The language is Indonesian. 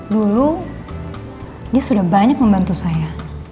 dulu dia sudah banyak membantu saya